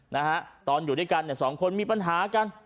นะฮะตอนอยู่ด้วยกันเนี่ยสองคนมีปัญหากัน